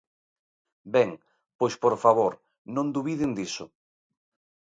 Ben, pois, por favor, non dubiden diso.